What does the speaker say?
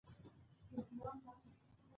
موږ باید پر ځان کار ته دوام ورکړو